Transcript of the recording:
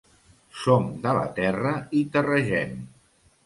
Som de la terra i terregem.